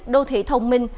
đô thị thông minh